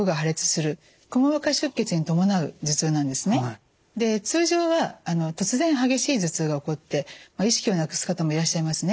で通常は突然激しい頭痛が起こって意識をなくす方もいらっしゃいますね。